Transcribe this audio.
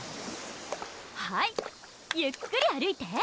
はいゆっくり歩いて！